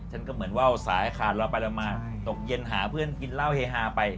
ฉันก็เหมือนว่าไอ้ขาดรอไปเหล่าละมาหาเพื่อนกินเล้าเห๋ฮาไป